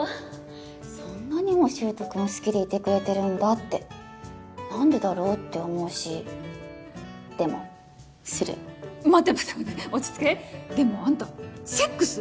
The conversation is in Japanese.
そんなにも柊人君好きでいてくれてるんだって何でだろうって思うしでもする待って待って待って落ち着けでもあんたセックス！